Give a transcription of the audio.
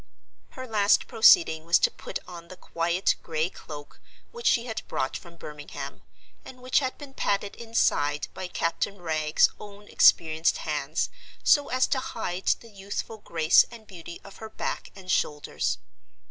Her last proceeding was to put on the quiet gray cloak which she had brought from Birmingham, and which had been padded inside by Captain Wragge's own experienced hands, so as to hide the youthful grace and beauty of her back and shoulders.